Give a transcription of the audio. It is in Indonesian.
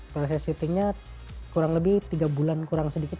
proses syutingnya kurang lebih tiga bulan kurang sedikit